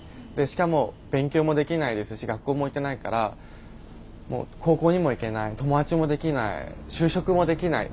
しかも勉強もできないですし学校も行けないから高校にも行けない友達もできない就職もできない。